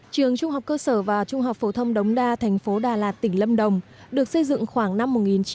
trường trung học cơ sở và trung học phổ thông đống đa thành phố đà lạt tỉnh lâm đồng được xây dựng khoảng năm một nghìn chín trăm bảy mươi